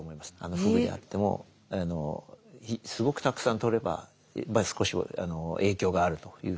フグであってもすごくたくさんとれば少しは影響があるというふうにいわれてますね。